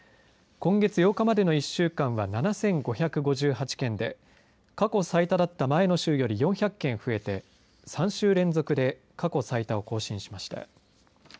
今月８日までの１週間は７５５８件で過去最多だった前の週より４００件増えて３週連続で過去最多を更新しました。